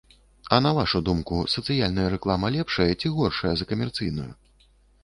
А на вашу думку, сацыяльная рэклама лепшая ці горшая за камерцыйную?